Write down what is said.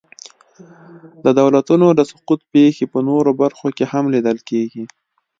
د دولتونو د سقوط پېښې په نورو برخو کې هم لیدل کېږي.